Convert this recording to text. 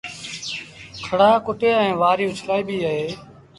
کڙآ ڪُٽي ائيٚݩ وآريٚ اُڇلآئيٚبيٚ اهي